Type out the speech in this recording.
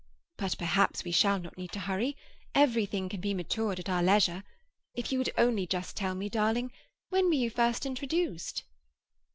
But perhaps we shall not need to hurry. Everything can be matured at our leisure. If you would only just tell me, darling, when you were first introduced?"